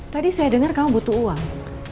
tadi saya dengar kamu butuh uang